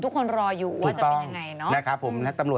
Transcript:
ทุกคนรออยู่ว่าจะเป็นอย่างไรเนาะ